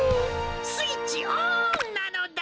スイッチオンなのだ！